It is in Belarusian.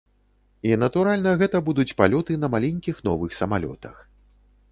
І, натуральна, гэта будуць палёты на маленькіх новых самалётах.